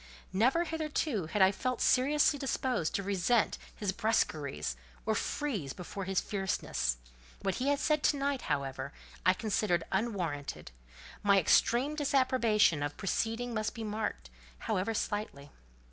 Never hitherto had I felt seriously disposed to resent his brusqueries, or freeze before his fierceness; what he had said to night, however, I considered unwarranted: my extreme disapprobation of the proceeding must be marked, however slightly.